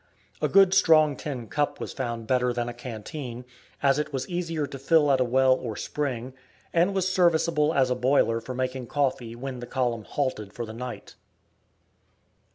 A good strong tin cup was found better than a canteen, as it was easier to fill at a well or spring, and was serviceable as a boiler for making coffee when the column halted for the night.